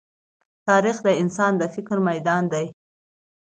تاریخ د انسان د فکر ميدان دی.